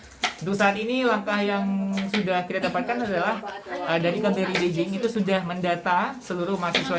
untuk saat ini langkah yang sudah kita dapatkan adalah dari kbri beijing itu sudah mendata seluruh mahasiswa